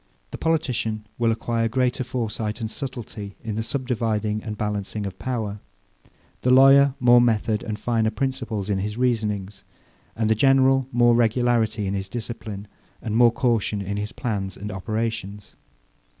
The politician will acquire greater foresight and subtility, in the subdividing and balancing of power; the lawyer more method and finer principles in his reasonings; and the general more regularity in his discipline, and more caution in his plans and operations.